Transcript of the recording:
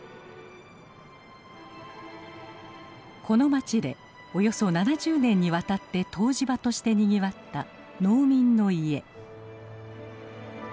この町でおよそ７０年にわたって湯治場としてにぎわった